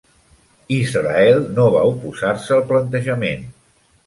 Israel no va oposar-se al plantejament.